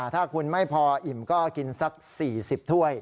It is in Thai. ถ้าคุณไม่พออิ่มก็กินสัก๔๐ถ้วย